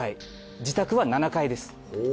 自宅は７階です。